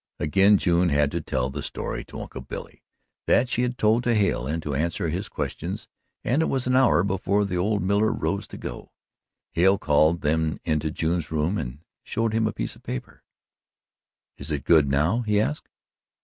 Again June had to tell the story to Uncle Billy that she had told to Hale and to answer his questions, and it was an hour before the old miller rose to go. Hale called him then into June's room and showed him a piece of paper. "Is it good now?" he asked.